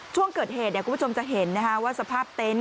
ช่วงเกิดเหตุคุณผู้ชมจะเห็นว่าสภาพเต็นต์